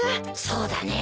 そうだね。